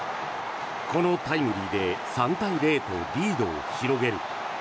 このタイムリーで３対０とリードを広げる。